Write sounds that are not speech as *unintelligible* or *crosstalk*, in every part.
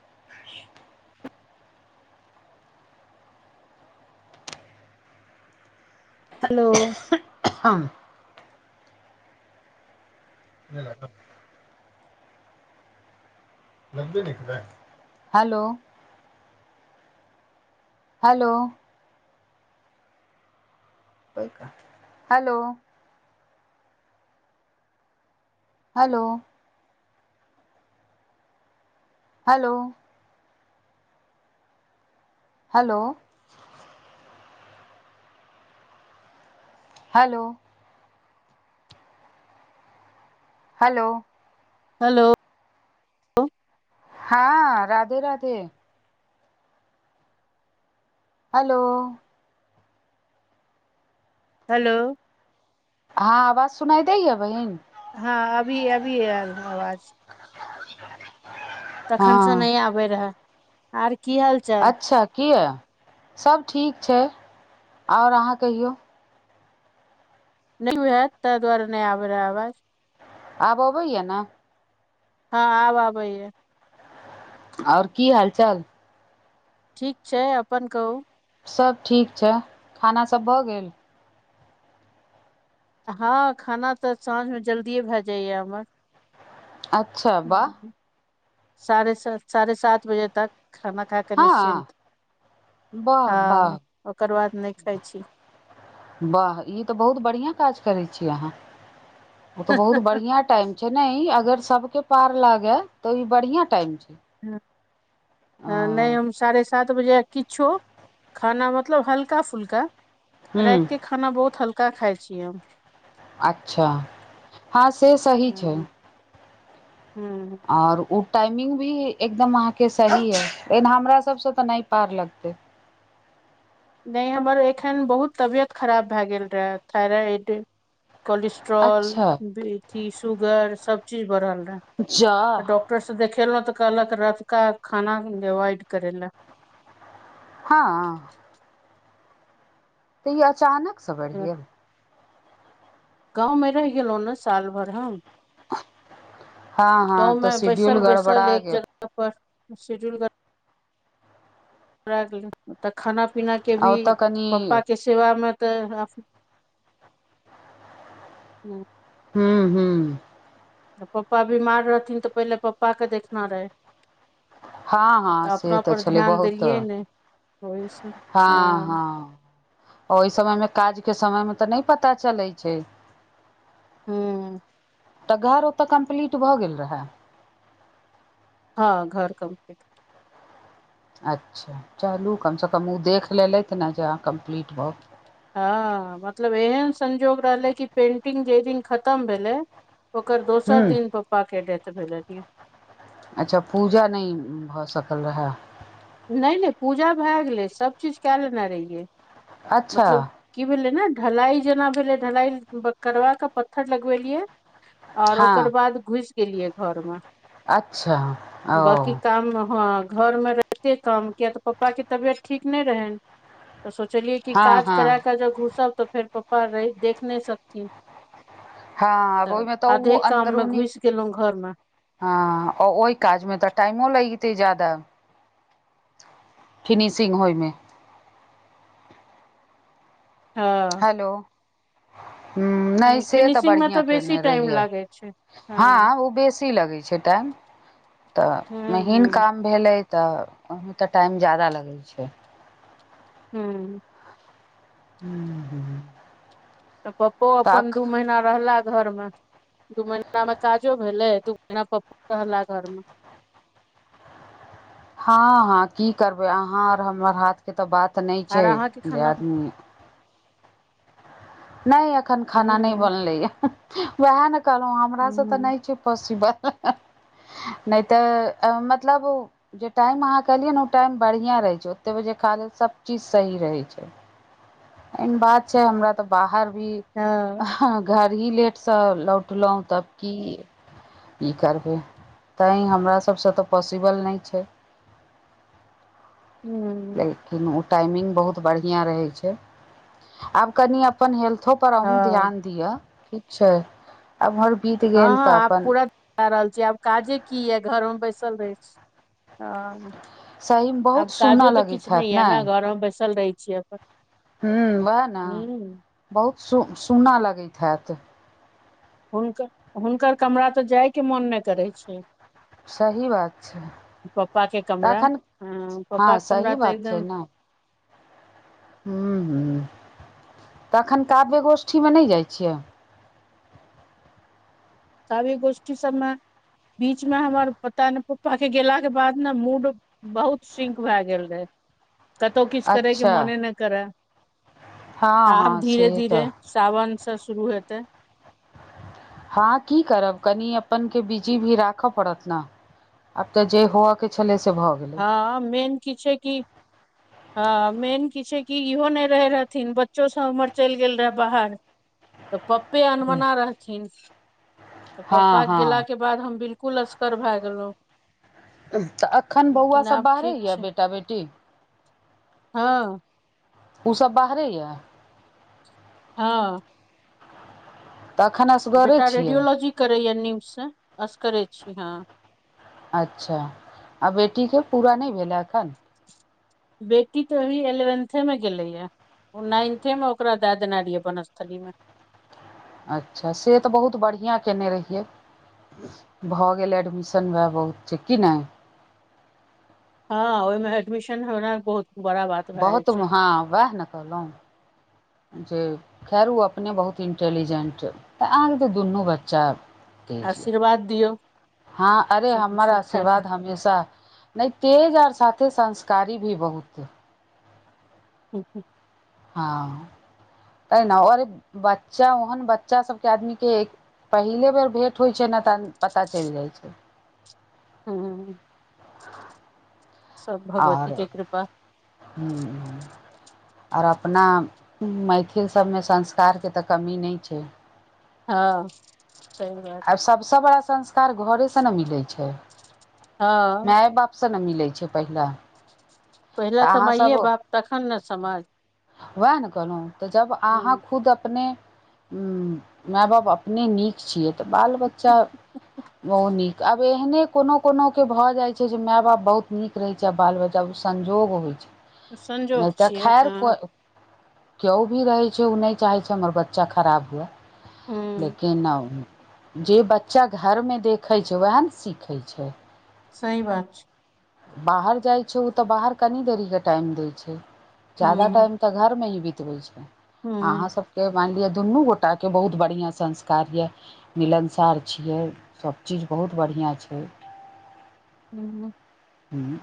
*unintelligible* Hello. ह। *unintelligible* *unintelligible* Hello hello. Hello hello hello. Hello. Hello hello hello हां Radhe Radhe hello hello हँ आवाज सुनाई दै ये बहिन? हँ अभी अभी आयल हें आवाज। तखन से हँ नहि आबैत रहऽ आर की हाल? चाल अच्छा किए सब ठीक छै। आओर अहाँ कहियौ? नहि होय हाएत ताहि दुआरे नहि आबय रहै आवाज। आब अबैया ने? हँ आब आबैए। आओर की हाल चाल? ठीक छै अपन कहू? सब ठीक छै, खाना सब भऽ गेल? हँ खाना तऽ साँझमे जल्दिए भए जाइएा हमर। अच्छा वाह साढ़े स साढ़े सात बजे तक खाना खा क हँ निश्चिन्त। वाह हँ वाह ओकर बाद नहि खाइ छी। वाह ई तऽ बहुत बढ़िआँ काज करैत छी अहाँ। ओ तऽ बहुत बढ़िया टाइम छै ने ई अगर सबके पार लागे तऽ ई बढ़िया टाइम छै। ह नहि अ हम साढ़े सात किच्छो खाना मतलब हल्का फुल्का हूँ राति के खाना बहुत हल्का खाय छीयै हम। अच्छा हँ से सही छैय। ह्म्म आओर ओ टाइमिंग भी एकदम अहाँके सही अइछ, एना हमरा सबसँ तऽ नहि पार लगतै। नहि हमर एखन बहुत तबियत खराब भए गेल रहय थइराइड कोलेस्ट ट्रोल अच्छा बीपी सुगर सब चीज बढ़ल रऽहे। जा र से देखेलौं तऽ कहलक रातिक खाना अवाइड कऽरय ला। हाँ तऽ ई अचानकसँ बढ़ि लए गेल? गाँव मे रहि गेलहु ने साल भरि हम हँ हँ तऽ गाँवमें शेड्यूल बैसल गड़बड़ा बैसल एक गेल जगह पर शेड्यूल कर तऽ खाना पीना के आ भी ओतऽ कनि पपा के सेवामे तऽ हम हू हू तऽ पप्पा बीमार रहथिन तऽ पहिले पप्पाके देखना रहै। हां हां से तऽ पर छलै ध्यान बहुत देलियै ने ओहि से हाँ अ हां। ओहि समय मे काज के समय मे तऽ नहि पता चलै छै। ह्म्म तऽ घर ओतऽ कम्प्लीट भऽ गेल रहै? हँ घर कम्प्लीट अच्छा चलू कमसँ कम ओ देख लेलथि ने जे अहाँ कम्प्लीट भ हं मतलब एहन संजोग रहलै कि पेंटिंग जै दिन खतम भेलै ओकर हूँ दोसर दिन पप्पा के डेथ भेलै की। अच्छा पूजा नै भ सकल रहए? नै नै पूजा भा गेलै, सभ चीज का लेने रहियै *inaudible* अच्छा मतलब की भेलै ने ढलाई जेना भेलै, ढलाई ब करबाक पत्थर लगबेलियै आओर ओकर हँ बाद घुसि गेलियै घरमे। अच्छा ओ बांकी काममे हं। *inaudible* घरमे रहिते काम किए त पप्पाके तबियत ठीक नै रहनि *inaudible* त सोचलियै की हँ काज हँ कराक जे घुसब त फेर पप्पा रै देख नै सकथिन। हँ *inaudible* आब त ओहिमे तऽ ओ अधे काममे घुसि गेलौं घरमे। हं आ ओइ काज मे त टाइमो लैगितै जादा। फिनिशिंग होइमे। हं। हेलो। हुं नै से त फिनिशिंग मे बढ़िया तऽ बेसी केने टाइम रहिअ। लागै छै *inaudible* हँ ओ बेसी लगै छै। टाइम *inaudible* त हूँ महीन हूँ काम भेलै त ओहिमे त टाइम जादा लगै छै। हूँ। हू ह त पप्पो अपन दू महीना रहला घरमे। दू महिनामे काजो भेलै, दू महिना पप्पो रहला घरमे। हं- हं की करबै, अहाँ आओर हमर हाथके त बात नै आर छै अहाँके जे खाना आदमी नै अखन हूँ खाना नै हूँ बनलैया, वैह ने कहलौं हम। हँ हमरा सं त नै हूँ छै पॉसिबल *inaudible* नै त मतलब उ जे टाइम अहाँ कहलियै न उ टाइम बढ़ियां रहै छै। ओतेक बजे खा लेल सब चीज सही रहै छै। ऐ मे बात छै हमरा त बाहर भी हँ हं घर ही लेट सं लौटलौं तब की। की करबै, तैं हमरा सबस त पॉसिबल नै छै। लेकिन ओ टाइमिंग बहुत बढ़ियां रहै छै, आब कनी अपन हेल्थो पर अहूं हँ ध्यान दिअ, ठीक छै। आब उमर बीत गेल त अपन कै रहल छी, आब काजे की ऐ घरमे बैसल रहै छी हं। सहीमे बहुत आब काजो सुनऽ त लगैत किछु नै हैत या ने, घरमे बैसल रहै छीअ ह वैह न *inaudible* बहुत सु सुना लगैत हैत। हुनकर, हुनकर कमरा त जाइके मोन नै करै छै। सही बात छै। पप्पा के कमरा तखन हँ *inaudible* पप्पा हं के कमरा सही तऽ बात छै एकदम न। हुं-हुं, तखन काव्य गोष्ठीमे नै जाइ छियै। कवि गोष्ठी सबमे, बीचमें हमर पता ने पप्पा के गेलाके बाद ने मूड बहुत सिंक भै गेल रहै, कतौ किछ करैके अच्छा मने नो करा। हँ *inaudible* आब हँ से धीरे-धीरे तऽ सावन सं शुरू हेतै। हं की करब, कनी अपनके बिजी भी राख परत न, आब त जे होअ के छलै से भ गेलै। हं मेन की छै की? हं मेन की छै कि इहो नै रहै रहथिन बच्चो स हमर चलि गेल रहै बाहर तऽ पप्पे अनमना रहथिन तऽ पप्पा हँ गेला हँ के बाद हम बिल्कुल असकर भए गेलहुं। तऽ एखन बौआ सब आब बाहरे ठीक यऽ छै बेटा बेटी हँ ओ सभ बाहरे यऽ हँ तखन अस बेटा रेडियोलॉजी करैए न्यूजसँ से असगर छी हां अच्छा आ बेटी के पूरा नहि भेलै हैं एखन बेटी तो भी एलेवेन्थे मे गेलेै या ओ नाइन्थे में ओकरा देय देनै रहिये वनस्थली में अच्छा से तऽ बहुत बढ़िआँ केने रहियै भऽ गेल एडमिशन वैह बहुत छै कि नै हां ओहि में एडमिशन होना बहुत बड़ा बात भए जाइ बहुत छै हँ वैह ने कहलहुँ जे खैर ओ अपने बहुत इंटेलीजेंट तऽ आहाँके तऽ दुनू बच्चा तेज यऽ आशीर्वाद दियौ हँ अरे सब हमर ठीक ठाक आशीर्वाद हमेशा नहि तेज आओर साथे संस्कारी भी बहुत अइ ओ ह हँ तै ना बच्चा आओर ओहन बच्चा सबके आदमी के पहिले बेर भेंट होइ छै ने तहन पता चलि जाइ छै हूं सब भगवती के कृपा ह *unintelligible* आओर अपना मैथिल सबमे संस्कारके तऽ कमी नहि छै हँ सही बात सबसे बड़ा संस्कार घरे से ने मिलै छै हँ माय बाप से नहि मिलै छै पहिला पहिले तऽ माइए बाप तखन ने समाज उएह ने कहलहुँ तऽ जब अहाँ हूँ खुद अपने हूं मै बाप अपने नीक छियै तऽ बाल बच्चा ओ नीक आब एहने कोनो कोनो के भऽ जाय छै जे माय बाप बहुत नीक रहे छै आ बाल बच्चा ऊं संजोग होइ छै संजोग नहि तऽ छियै खैर हँ कोई केओ भी रहै छै ओ नहि चाहै छै हमर बच्चा खराब हुए हूँ लेकिन जे बच्चा घरमे देखै छै वएह ने सीखै छै सही बात छै बाहर जाइ छै ओ तऽ बाहर कनि देरीके टाइम दै छै ज्यादा हूँ टाइम तऽ घरमे ही बितबै छै हूँ अहाँ सब तऽ के मानि लिअ दुनू गोटाके बहुत बढ़िआँ संस्कार यऽ त मिलनसार छियै सबचीज बहुत बढ़िआँ छै हू ह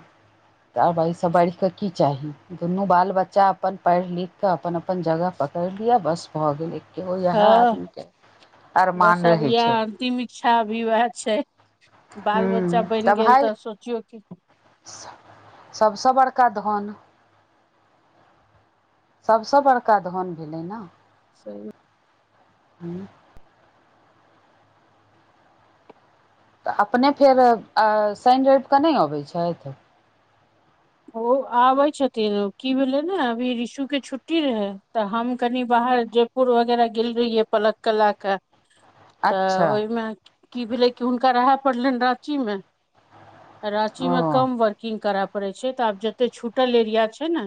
तऽ आब अईसँ बढ़िकऽ की चाही दुनू बाल बच्चा अपन पढ़ि लिख कऽ अपन अपन जगह पकड़ि लिअ बस भऽ गेलै। हँ बस अरमान अब रहै इएह छै अन्तिम इक्छा अभी वएह छै। बाल हूँ बच्चा बैन गेल तऽ सोचियौ सबसँ बड़का धन। सब सँ बड़का धन भेलै न। सही। *unintelligible* तऽ अपने फेर सैन रैब कऽ नै अबै छैथ। ओ आबै छथिन की भेले ने, अभी रीशु के छुट्टी रहे तऽ हम कनि बाहर जेब। पुर वगैरह गेल रहीये, पलक क ले क *inaudible* तऽ अच्छा ओहिमे की भेलै कि हुनका रहय पड़लनि राँचीमे। राँचीमे ओ कम वर्किंग करय पड़ैत छै तऽ आब जते छूटल एरिया छै ने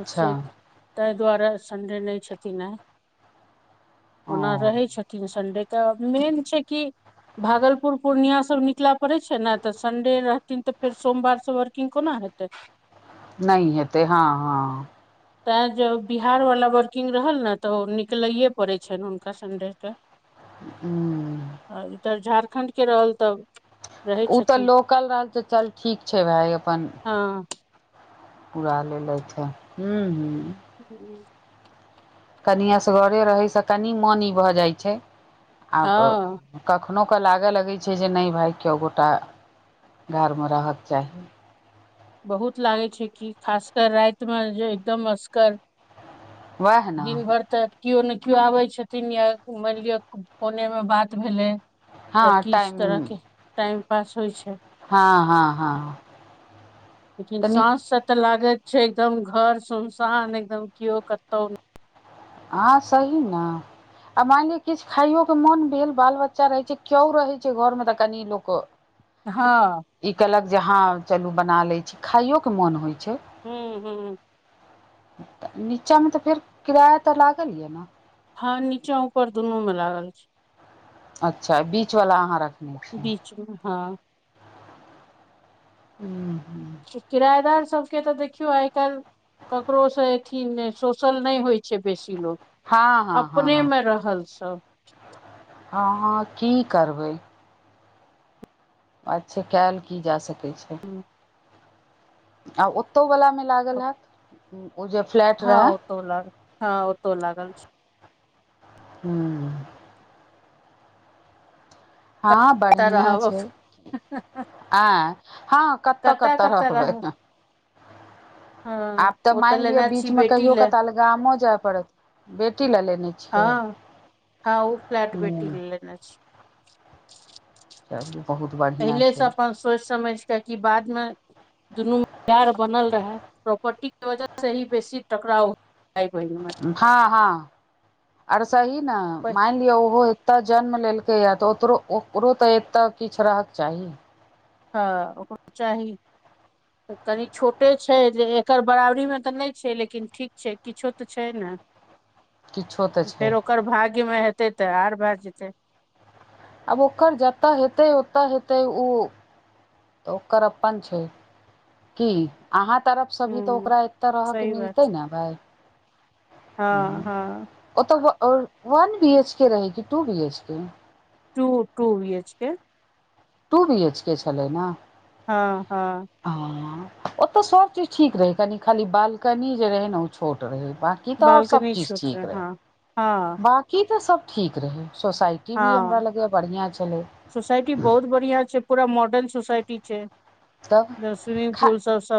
ओ से तै दुआरे संडे नै छथिन आय ओना ओ रहै छथिन संडेक मेन छै कि भागलपुर पूर्णिया सब निकला पड़े छै ने तऽ संडे रहथिन तऽ फेर सोमवार सबर किन कोना हेतै। नै हेतै ह - ह। तैं जो बिहार वाला वर्किंग रहल ने तऽ ओ निकलये पड़े छैन हुनका संडे के हू आ इधर झारखण्ड के रहल तब उ तऽ लोकल रहल तऽ चल ठीक छै भाय अपन ह। पूरा लेलैथे हु हु। *unintelligible* कनि असगरे रहै सँ कनि मनि भऽ जाइ छै, आब हँ कखनो क लागऽ लगैत छै, जे नै भाय केओ गोटा घरमे रहऽक चाही। बहुत लागै छै कि खास क रैत मे जे एकदम असगर वएह ने दिनभर त कियो ने कियो आबै छेथिन या मैन लिअ फोने मे बात भेलै या हँ किछ टाइम तरह के टाइम पास होइ छै। हाँ - हाँ - हाँ। लेकिन साँझ स तऽ लागैत छै एकदम घर सुनसान एकदम किओ कतौ नै हाँ सही न आ मैन लिय किछ खाइयो के मोन भेल बाल बच्चा रहे छै के्यो रहे छै घर में तऽ कनि लोक *inaudible* ह। ई केलक जे ह चलू बना लै छी, खाइयो के मोन होइ छै। हू - हू। नीचा मे तऽ फेर किराया तऽ लागल ये न हाँ नीचा ऊपर दुनू में लागल छै। अच्छा बीच वला अहाँ रखने छी। ह। हू - हू। किरायेदार सबके तऽ देखियौ आइ काइल ककरो से अथि सोषल नै होइ छै बेसी लोग हँ हँ अपने हँ मे रहल सब हँ हं की करबै। अच्छा कयल की जा सकैत छै। हँ। आ ओतौ वला मे लागल हयत ओ जे फ्लैट हँ रहै ओतौ लाग, हँ ओतौ लागल छै। हुं। हँ कतऽ बढ़ियां रहब छै। आऐं, हँ। कत्तऽ कतऽ कत्तऽ कतऽ रहबै रहब हें। हँ आब तऽ ओ मानि लिअ लेने बीच छी मे बेटी कहियो लए कताल गाॅंमो जाय पड़त। बेटी ले लेने छियै। हँ हँ ओ फ्लैट बेटी हूँ ले लेने छियै। तब बहुत बढियां। पहिलेसँ अपन सोचि समझि कऽ कि बादमे दुनूमे प्यार बनल रहै, प्रॉपर्टी के वजह से ही बेसी टकराव भाय बहिन मे। हँ हँ। आर सही ने मानि लिअ ओहो एतय जन्म लेलकैये तऽ ओकरो ओकरो तऽ एते किछु रहक चाही। हँ ओकरो‌ त चाही। कनी छोटे छै, जे एकर बराबरी मे तऽ नहि छै लेकिन ठीक छै किछो तऽ छै ने। हं। फेर ओकर भाग्यमे हेतै तऽ आर भए जेतै। आब ओकर जतय हेतै ओतय हेतै ओ तऽ ओकर अपन छै। की अहाँ तरफसँ भी तऽ हूँ ओकरा एतऽ रहऽके सही बात मिलतै छै ने भाइ। हँ हँ ओ तऽ वन बी एच के रहे की two B H K? Two two V H K. Two B H K छलै ने। हँ हँ। ह ओतऽ सब चीज ठीक रहै कनी खाली बालकनी जे रहै ने ओ छोट रहै बा की तऽ और सब बालकनी चीज छोट रहे ठीक रहै। हँ हँ। बाकी तऽ सब ठीक रहै सोसाइटी भी हमरा हँ, लगैए बढ़िआँ छलै सोसाायटी बहुत बढ़ियां छै, पूरा मॉडर्न सोसाायटी छै। तब ओतऽ स्विमिंग खा पूल सब सब